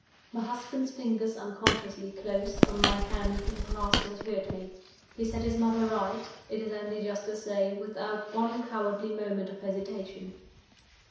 My husband's fingers unconsciously closed on my hand with a grasp that hurt me. He set his mother right, it is only just to say, without one cowardly moment of hesitation.